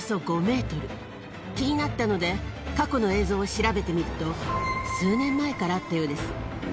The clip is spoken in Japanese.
気になったので過去の映像を調べてみると数年前からあったようです。